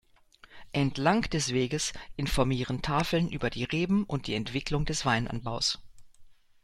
Entlang des Weges informieren Tafeln über die Reben und die Entwicklung des Weinanbaus.